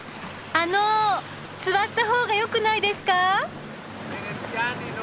あの座った方がよくないですか？